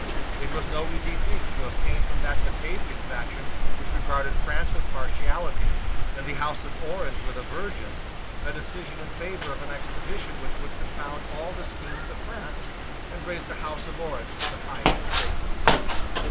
It was no easy thing to obtain from that Batavian faction which regarded France with partiality, and the House of Orange with aversion, a decision in favour of an expedition which would confound all the schemes of France, and raise the House of Orange to the height of greatness.